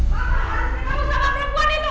mama harus ketemu sama perempuan itu